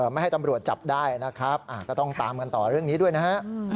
ไม่ให้ตำรวจจับได้นะครับก็ต้องตามกันต่อเรื่องนี้ด้วยนะฮะ